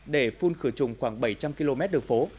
để phun khử trùng khoảng bảy trăm linh km đường phố